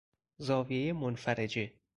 زاویهی منفرجه